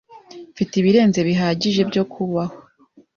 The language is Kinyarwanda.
Mfite ibirenze bihagije byo kubaho.